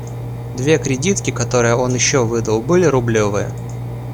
Две кредитки, которые он еще выдал, были рублевые.